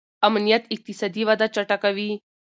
امنیت اقتصادي وده چټکوي.